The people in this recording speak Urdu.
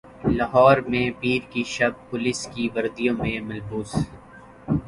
لاہور میں پیر کی شب پولیس کی وردیوں میں ملبوس